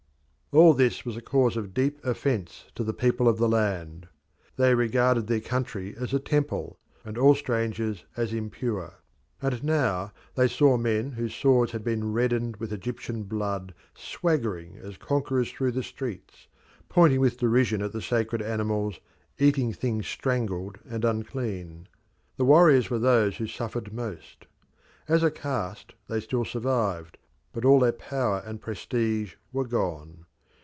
All this was a cause of deep offence to the people of the land. They regarded their country as a temple, and all strangers as impure. And now they saw men whose swords had been reddened with Egyptian blood swaggering as conquerors through the streets, pointing with derision at the sacred animals, eating things strangled and unclean. The warriors were those who suffered most. As a caste they still survived, but all their power and prestige were gone.